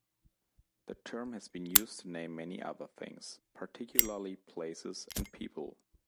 The term has been used to name many other things, particularly places and people.